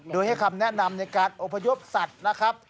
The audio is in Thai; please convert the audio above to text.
โดยให้คำแนะนำในการอพยพสัตว์นะครับ